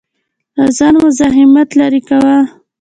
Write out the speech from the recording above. له ځانه مزاحمت لرې کاوه.